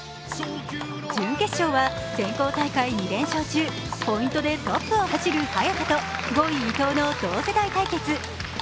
準決勝は選考大会２連勝中、ポイントでトップを走る早田と５位・伊藤の同世代対決。